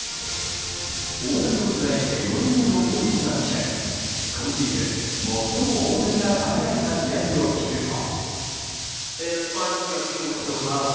大谷を取材して４年目のボリンジャー記者に今シーズン、最も大谷が輝いた試合を聞くと。